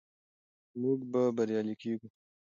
موږ به بریالي کیږو.